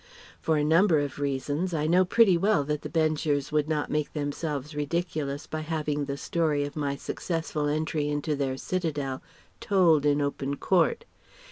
For a number of reasons I know pretty well that the Benchers would not make themselves ridiculous by having the story of my successful entry into their citadel told in open court.